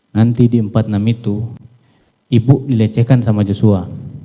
nanti di empat puluh enam itu ibu dilecehkan sama joshua